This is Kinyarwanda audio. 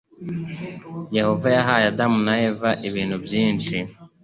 Yehova yahaye Adamu na Eva ibintu byinshi